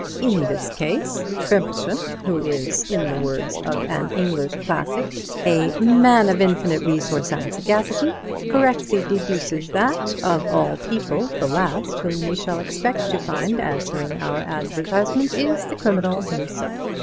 "In this case, Crimplesham, who is, in the words of an English classic, a man of infinite resource and sagacity, correctly deduces that, of all people, the last whom we shall expect to find answering our advertisement is the criminal himself.